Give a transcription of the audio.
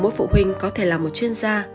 mỗi phụ huynh có thể là một chuyên gia